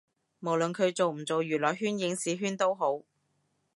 無論佢做唔做娛樂圈影視圈都好